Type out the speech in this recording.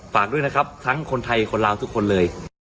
ฝากด้วยนะครับทั้งคนไทยคนลาวทุกคนเลย